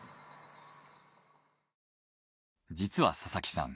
実は佐々木さん